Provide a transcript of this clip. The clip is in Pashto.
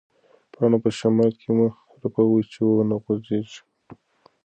پاڼه په شمال کې مه رپوئ چې ونه غوځېږي.